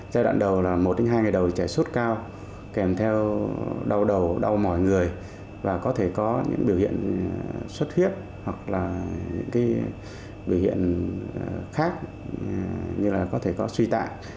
giai đoạn đầu là một trong hai ngày đầu trẻ sốt cao kèm theo đau đầu đau mỏi người và có thể có những biểu hiện sốt huyết hoặc là những biểu hiện khác như là có thể có suy tạng